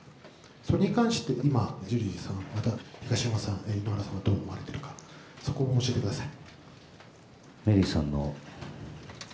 それに関してジュリーさん、東山さん井ノ原さんはどう思われているかそこも教えてください。